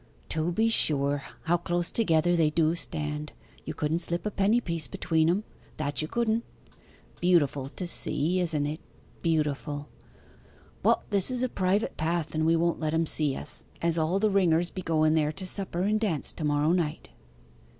'To be sure, how close together they do stand! You couldn' slip a penny piece between 'em that you couldn'! Beautiful to see it, isn't it beautiful!... But this is a private path, and we won't let 'em see us, as all the ringers be goen there to a supper and dance to morrow night.